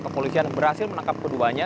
kepolisian berhasil menangkap keduanya